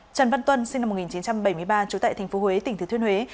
trần văn tuân sinh năm một nghìn chín trăm bảy mươi ba trú tại tp huế tỉnh thứ thuyên huế